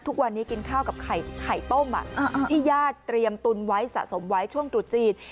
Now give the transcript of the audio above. ทุกวันนี้กินข้าวกับไข่ต้มที่ญาติเตรียมตุนไว้สะสมไว้ช่วงตรุษจีน